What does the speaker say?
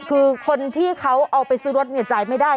คือคนที่เขาเอาไปซื้อรถเนี่ยจ่ายไม่ได้